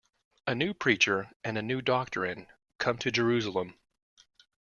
A new preacher and a new doctrine come to Jerusalem.